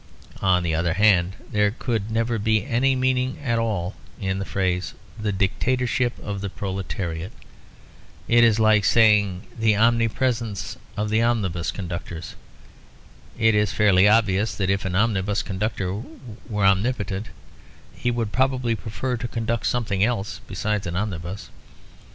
On the other hand, there could never be any meaning at all in the phrase "the dictatorship of the proletariat." It is like saying, "the omnipotence of omnibus conductors." It is fairly obvious that if an omnibus conductor were omnipotent, he would probably prefer to conduct something else besides an omnibus.